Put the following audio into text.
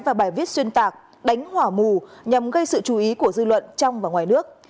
và bài viết xuyên tạc đánh hỏa mù nhằm gây sự chú ý của dư luận trong và ngoài nước